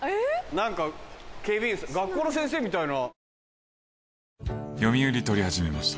何か警備員さん学校の先生みたいな。